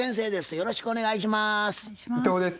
よろしくお願いします。